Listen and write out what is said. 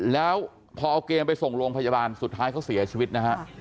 แล้วพอเอาเกมไปส่งโรงพยาบาลสุดท้ายเขาเสียชีวิตนะฮะ